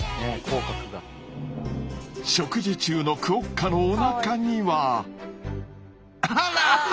食事中のクオッカのおなかにはあら！